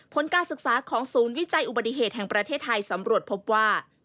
ผลการศึกษาของศูนย์วิจัยอุบัติเหตุแห่งประเทศไทยสำรวจพบว่า